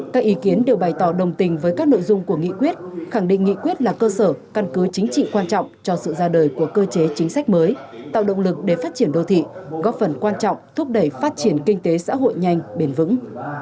các ý kiến đều bày tỏ đồng tình với các nội dung của nghị quyết khẳng định nghị quyết là cơ sở căn cứ chính trị quan trọng cho sự ra đời của cơ chế chính sách mới tạo động lực để phát triển đô thị góp phần quan trọng thúc đẩy phát triển kinh tế xã hội nhanh bền vững